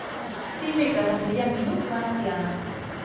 Dimecres en Guillem i n'Hug van a Tiana.